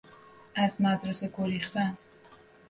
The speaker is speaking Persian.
از مدرسه گریختن